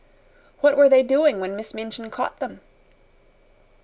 "What were they doing when Miss Minchin caught them?"